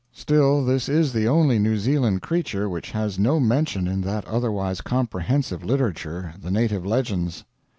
Still, this is the only New Zealand creature which has no mention in that otherwise comprehensive literature, the native legends.